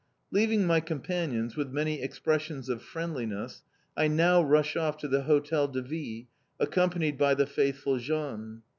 Leaving my companions with many expressions of friendliness, I now rush off to the Hotel de Ville, accompanied by the faithful Jean.